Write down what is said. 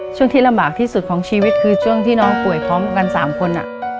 ช่วงที่ลำบากที่สุดของชีวิตคือช่วงที่น้องป่วยพร้อมกัน๓คน